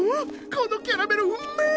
このキャラメルうめえ！